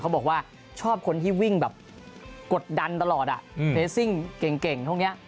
บอกว่าชอบคนที่วิ่งแบบกดดันตลอดอ่ะเรสซิ่งเก่งพวกนี้